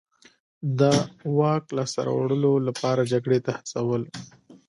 د واک لاسته راوړلو لپاره جګړې ته هڅول.